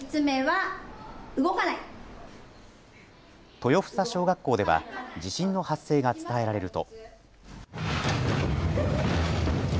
豊房小学校では地震の発生が伝えられると。